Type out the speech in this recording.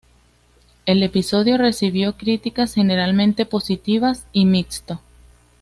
El episodio recibió críticas generalmente positivas y mixto.